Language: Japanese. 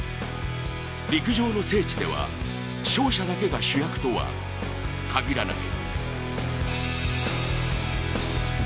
陸上の聖地では勝者だけが主役とは限らない。